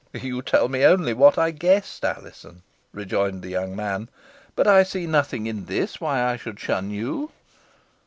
"You tell me only what I guessed, Alizon," rejoined the young man; "but I see nothing in this why I should shun you."